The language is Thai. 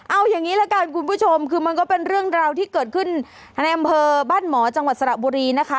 เอาอย่างนี้ละกันคุณผู้ชมคือมันก็เป็นเรื่องราวที่เกิดขึ้นในอำเภอบ้านหมอจังหวัดสระบุรีนะคะ